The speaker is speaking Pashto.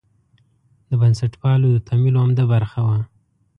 د بنسټپالو د تمویل عمده برخه وه.